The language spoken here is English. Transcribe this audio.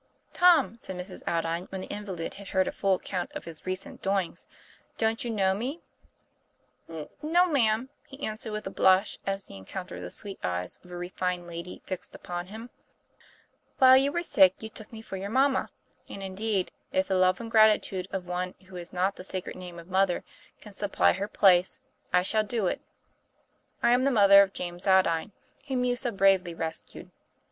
"Tom," said Mrs. Aldine, when the invalid had heard a full account of his recent doings, "don't you know me?" TOM PL A YFAIR. 239 'No, ma'am," he answered, with a blush, as he encountered the sweet eyes of a refined lady fixed upon his. 'While you were sick, you took me for your mamma; and, indeed, if the love and gratitude of one who has not the sacred name of mother can supply her place, I shall do it. I am the mother of James Aldine, whom you so bravely rescued."